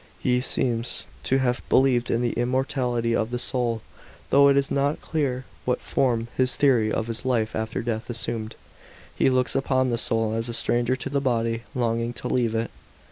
He seems to have believed in the immortality of the soul, though it is not clear what form his theory of the life after death assumed. He looks upon the soul as a stranger to the body, longing to leave it.